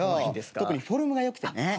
特にフォルムが良くてね。